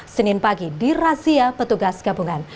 senin pagi di razia petugas gabungan